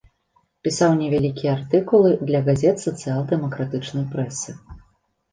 Пісаў невялікія артыкулы для газет сацыял-дэмакратычнай прэсы.